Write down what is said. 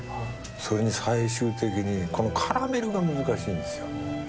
それに最終的にこのカラメルが難しいんですよ。